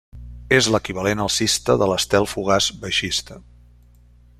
És l'equivalent alcista de l'estel fugaç baixista.